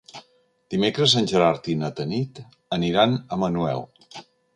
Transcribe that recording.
Dimecres en Gerard i na Tanit aniran a Manuel.